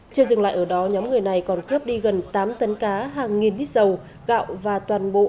chưa dừng lại ở đó nhóm người này còn cướp đi gần tám tấn cá hàng nghìn lít dầu gạo và toàn bộ